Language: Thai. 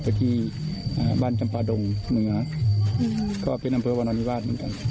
ที่บ้านจำปาดงเหนือก็เป็นอำเภอวรรณวิวาสเหมือนกัน